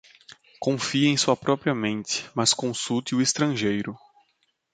Confie em sua própria mente, mas consulte o estrangeiro.